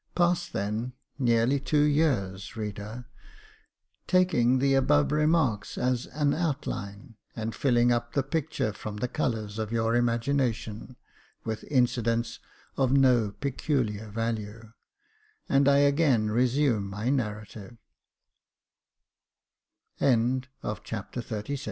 Pass, then, nearly two years, reader, taking the above remarks as an outline, and filling up the picture from the colours of your imagination, with incidents of no peculiar value, and I again resume